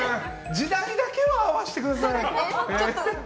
時代だけは合わせてください。